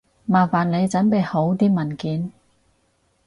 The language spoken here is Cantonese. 麻煩你準備好啲文件